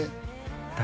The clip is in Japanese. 誰？